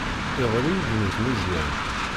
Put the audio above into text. Iḍelli i yemmut Meẓyan.